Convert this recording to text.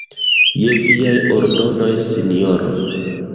Je viaj ordonoj, sinjoro.